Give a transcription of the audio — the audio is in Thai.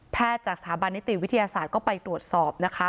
จากสถาบันนิติวิทยาศาสตร์ก็ไปตรวจสอบนะคะ